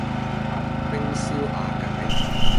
冰消瓦解